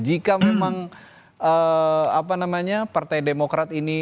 jika memang apa namanya partai demokrat ini